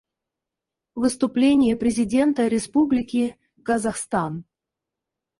Выступление президента Республики Казахстан.